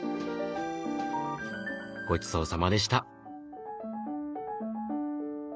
ごちそうさまでした。